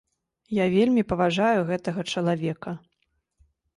Я вельмі паважаю гэтага чалавека.